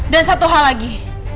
dan satu hal lagi